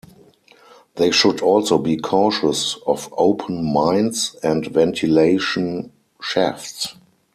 They should also be cautious of open mines and ventilation shafts.